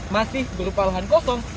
masih berupa lahan kosong